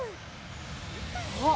あっ！